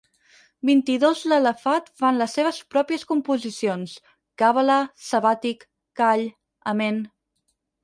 Vint-i-dos l'alefat fan les seves pròpies composicions: càbala, sabàtic, call, amén...